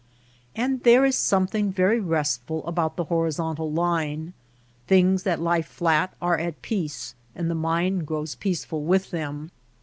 And there is something very restful about the horizontal line. Things that lie flat are at peace and the mind grows peace ful with them.